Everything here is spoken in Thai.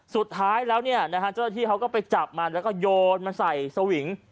สุดท้ายแล้วเจ้าตัวที่เขาก็ไปจับมันแล้วก็โยนมาใส่สวิง